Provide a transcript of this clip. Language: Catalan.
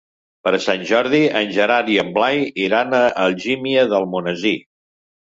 Per Sant Jordi en Gerard i en Blai iran a Algímia d'Almonesir.